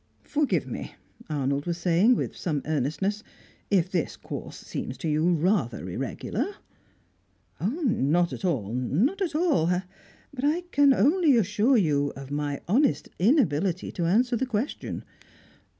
"Forgive me," Arnold was saying, with some earnestness, "if this course seems to you rather irregular." "Not at all! Not at all! But I can only assure you of my honest inability to answer the question.